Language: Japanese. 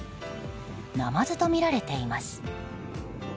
ナマズとみられています。